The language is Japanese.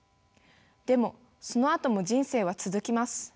でもそのあとも人生は続きます。